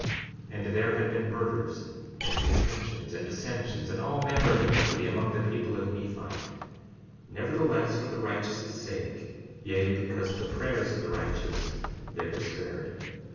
62:40 And there had been murders, and contentions, and dissensions, and all manner of iniquity among the people of Nephi; nevertheless for the righteous' sake, yea, because of the prayers of the righteous, they were spared.